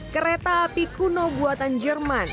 kereta api kuno buatan jerman